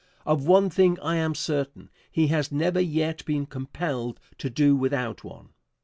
Of one thing I am certain: He has never yet been compelled to do without one.